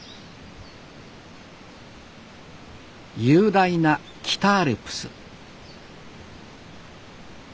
雄大な北アルプス